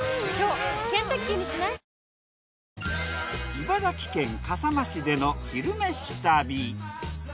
茨城県笠間市での「昼めし旅」。